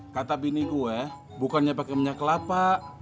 kata biniku ya bukannya pakai minyak kelapa